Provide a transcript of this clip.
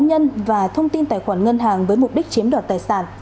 các thông tin cá nhân và thông tin tài khoản ngân hàng với mục đích chiếm đoạt tài sản